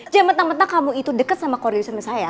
jangan betah betah kamu itu deket sama kori urusan saya